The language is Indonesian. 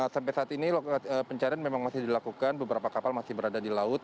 sampai saat ini pencarian memang masih dilakukan beberapa kapal masih berada di laut